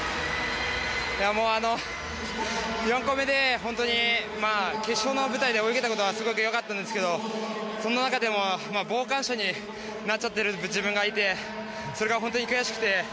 ４個メで、本当に決勝の舞台で泳げたことはすごく良かったんですけどその中でも傍観者になっちゃっている自分がいてそれが本当に悔しくて。